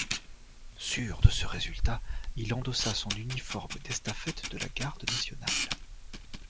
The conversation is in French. Sûr de ce résultat, il endossa son uniforme d'estafette de la garde nationale.